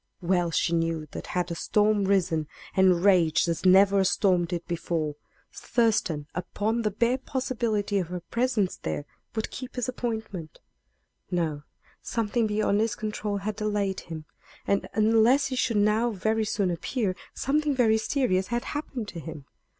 Well she knew that had a storm risen, and raged as never a storm did before, Thurston, upon the bare possibility of her presence there, would keep his appointment. No; something beyond his control had delayed him. And, unless he should now very soon appear, something very serious had happened to him.